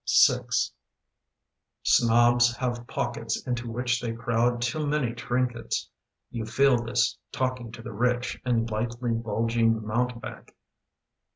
VI i3N0BS have pockets into which They crowd too many trinkets. You feel this, talking to the rich And lightly bulging mountebank.